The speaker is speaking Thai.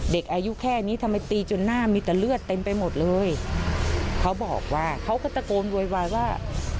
เด็กอายุแค่นี้ทำไมตีจนหน้ามีแต่เลือดเต็มไปหมดเลยเขาบอกว่าเขาก็ตะโกนโวยวายว่า